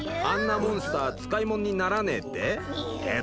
あんなモンスター使いもんにならねえって？